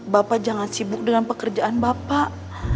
bapak jangan sibuk dengan pekerjaan bapak